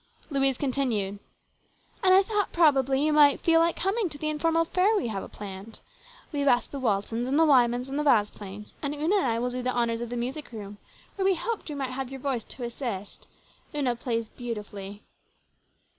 Louise continued :" And I thought probably you might feel like coming to the informal affair we have planned. We have asked the Waltons and the Wymans and the Vasplaines, and Una and I will do the honours of the music room, where we hoped we might have your voice to assist. Una plays beautifully."